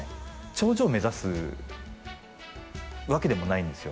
頂上を目指すわけでもないんですよ